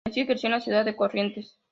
Nació y creció en la ciudad de Corrientes.